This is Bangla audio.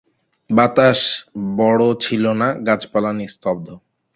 বাতাস বড়ো ছিল না, গাছপালা নিস্তব্ধ।